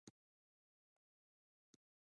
د میرمنو کار د اقتصادي ودې لامل دی.